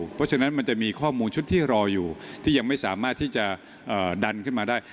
เพราะฉะนั้นมันจะมีข้อมูลชุดที่รออยู่ที่ยังไม่สามารถที่จะดันขึ้นมาได้